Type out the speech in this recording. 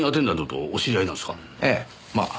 ええまあ。